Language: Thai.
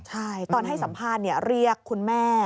ใช่ตอนให้สัมภาษณ์เรียกคุณแม่